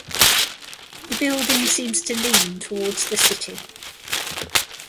The building seems to lean towards the city.